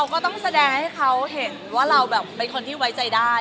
ก็ต้องแสดงให้เขาเห็นว่าเราแบบเป็นคนที่ไว้ใจได้